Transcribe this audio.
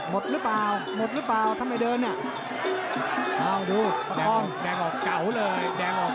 หมดรึเปล่าแดงออกเก๋าเลย